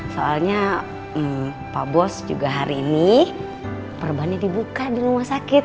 soalnya pak bos juga hari ini perbannya dibuka di rumah sakit